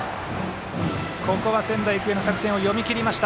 ここは仙台育英の作戦を読みきりました。